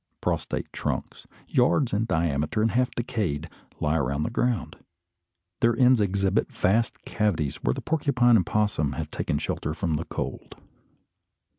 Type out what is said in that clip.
Prostrate trunks, yards in diameter and half decayed, lie along the ground. Their ends exhibit vast cavities where the porcupine and opossum have taken shelter from the cold.